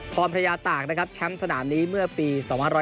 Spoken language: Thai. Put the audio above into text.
พรพญาตากแชมป์สนามนี้เมื่อปี๒๕๘